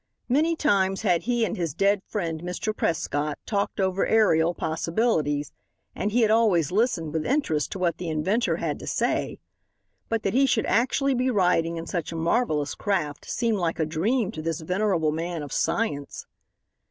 Many times had he and his dead friend, Mr. Prescott, talked over aerial possibilities, and he had always listened with interest to what the inventor had to say. But that he should actually be riding in such a marvellous craft seemed like a dream to this venerable man of science.